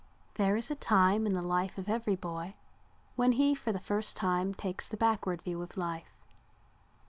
There is a time in the life of every boy when he for the first time takes the backward view of life.